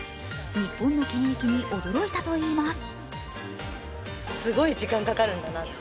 日本の検疫に驚いたといいます。